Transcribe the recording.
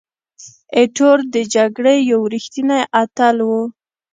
ایټور د جګړې یو ریښتینی اتل وو.